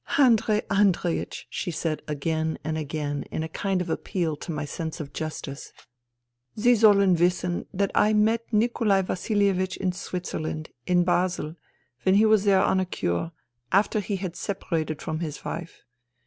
" Andrei Andreiech !" she said again and again in a kind of appeal to my sense of justice. " Sie sollen wissen that I met Nikolai Vasilievich in Swit zerland, in Basel, when he was there on a cure, after he had separated from his wife.